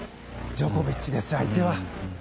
ジョコビッチですよ、相手は。